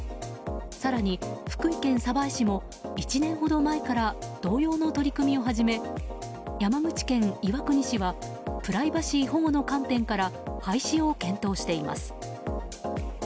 更に福井県鯖江市も１年ほど前から同様の取り組みを始め山口県岩国市はプライバシー保護の観点から廃止を検討しています。